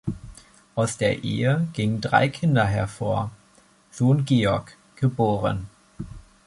Aus der Ehe gingen drei Kinder hervor, Sohn Georg, geb.